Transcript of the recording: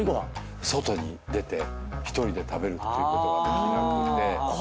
外に出て１人で食べるっていうことができなくて。